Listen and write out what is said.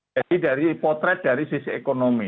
jadi dari potret dari sisi ekonomi